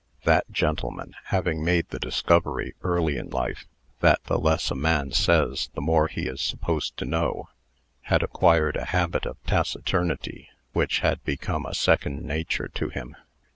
That gentleman, having made the discovery, early in life, that the less a man says, the more he is supposed to know, had acquired a habit of taciturnity which had become a second nature to him.